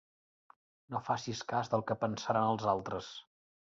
No facis cas del que pensaran els altres.